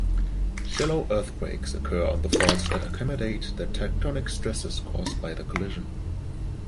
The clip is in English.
Shallow earthquakes occur on faults that accommodate the tectonic stresses caused by the collision.